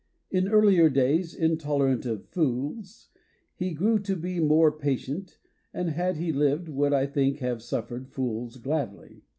In earlier days in tolerant of fools, he grew to be more patient, and, had he lived, would, I think, have suffered fools gladly.